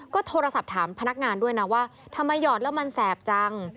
ก็โทรศัพท์ถามพนักงานด้วยนะว่าทำไมหยอดแล้วมันแสบจัง